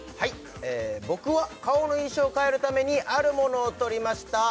僕は顔の印象を変えるためにあるものを取りました